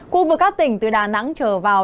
khu vực các tỉnh từ đà nẵng trở vào